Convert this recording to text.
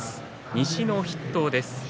西の筆頭です。